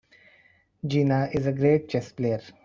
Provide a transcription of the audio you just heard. Gina is a great chess player.